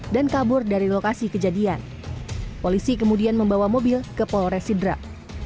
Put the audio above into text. dan kabur dari lokasi kejadian polisi kemudian membawa mobil ke polres sidrap